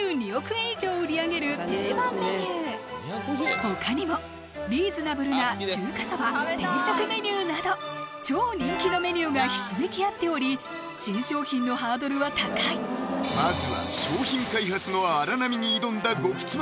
円以上売り上げる定番メニュー他にもリーズナブルな中華そば・定食メニューなど超人気のメニューがひしめき合っており新商品のハードルは高いまずは商品開発の荒波に挑んだ「極妻」